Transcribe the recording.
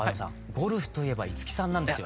ゴルフといえば五木さんなんですよ。